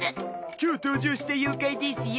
今日登場した妖怪ですよ。